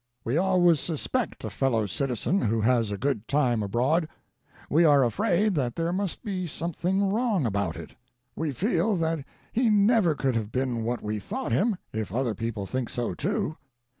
We always suspect a fellow citizen who has a good time abroad; we are afraid that there must be something wrong about it. We feel that he never could have been what we thought him, if other people think so, too.